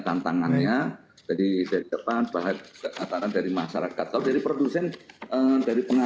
mengapa sampai harga untuk penyedang